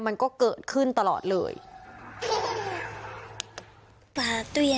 มันก็เกิดขึ้นตลอดเลย